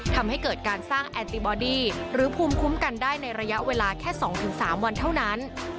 ทำให้เกิดการสร้างแอนติบอดี้หรือภูมิคุ้มกันได้ในระยะเวลาแค่๒๓วันเท่านั้น